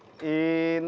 eh lo ngapain kemari